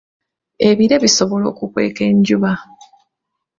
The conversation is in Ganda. Ebire bisobola okukweka enjuba.